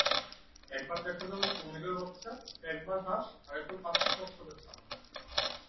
একবার দেখা যাবে কুমিরের বাচ্চা, একবার হাঁস আরেকবার পাঁচটি কচ্ছপের ছানা।